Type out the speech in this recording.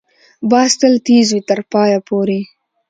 باز تل تېز وي، تر پایه پورې